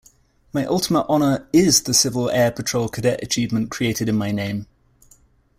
My ultimate honor 'is' the Civil Air Patrol cadet achievement created in my name.